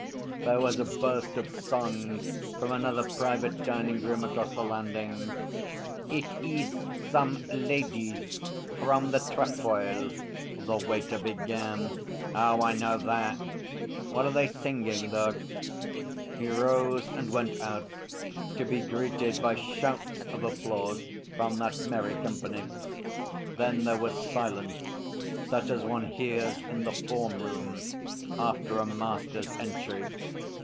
There was a burst of song from another private dining room across the landing. 'It ees some ladies from the Trefoil,' the waiter began. 'Oh, I know that. What are they singing, though?' He rose and went out, to be greeted by shouts of applause from that merry company. Then there was silence, such as one hears in the form room after a master's entry.